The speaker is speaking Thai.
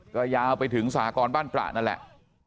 ก็ยาวไปถึงสหกรบ้านตระนั่นแหละ